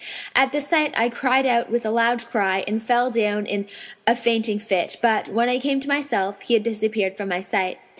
At this sight I cried out with a loud cry and fell down in a fainting fit; but, when I came to myself he had disappeared from my sight.